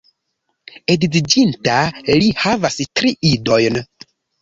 Edziĝinta, li havas tri idojn.